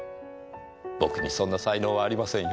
僕にそんな才能はありませんよ。